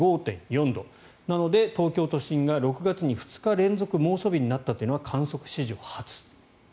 なので、東京都心が６月に２日連続で猛暑日になったというのは観測史上初と。